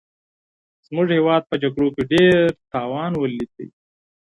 زمونږ هېواد په جګړو کي ډېر زيان وليد.